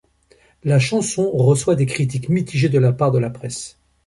La chanson reçoit des critiques mitigées de la part de la presse.